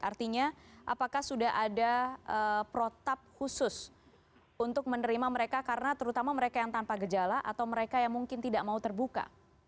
artinya apakah sudah ada protap khusus untuk menerima mereka karena terutama mereka yang tanpa gejala atau mereka yang mungkin tidak mau terbuka